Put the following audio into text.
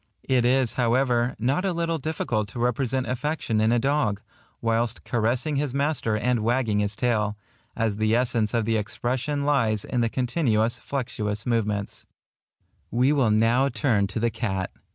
It is, however, not a little difficult to represent affection in a dog, whilst caressing his master and wagging his tail, as the essence of the expression lies in the continuous flexuous movements. Dog Carressing his Master. Fig. 8 We will now turn to the cat.